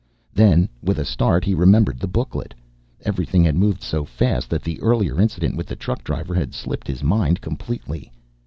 Then, with a start, he remembered the booklet. Everything had moved so fast that the earlier incident with the truck driver had slipped his mind completely.